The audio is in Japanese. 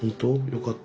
よかった。